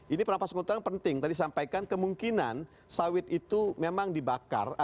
ini perampasan hutan penting tadi sampaikan kemungkinan sawit itu memang dibakar